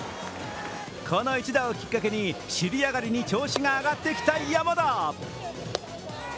この一打をきっかけにしり上がりに調子が上がってきた山田。